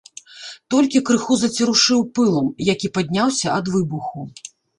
Толькі крыху зацерушыў пылам, які падняўся ад выбуху.